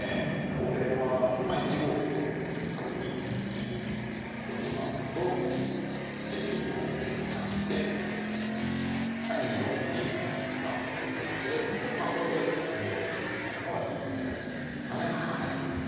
これはまあ１五歩と仮に取りますと２五桂と跳ねて２四歩に１三歩っていう形でまあこれで攻めようっていうのが一つの狙いになりますかね。